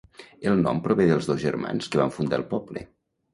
El nom prové dels dos germans que van fundar el poble.